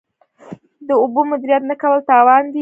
د اوبو مدیریت نه کول تاوان دی.